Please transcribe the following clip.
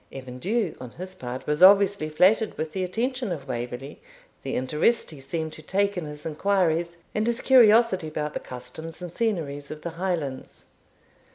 Evan Dhu, on his part, was obviously flattered with the attention of Waverley, the interest he seemed to take in his inquiries, and his curiosity about the customs and scenery of the Highlands.